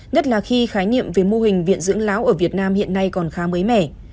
nhất là khi khái niệm về mô hình viện dưỡng lão ở việt nam hiện nay còn khá mới mẻ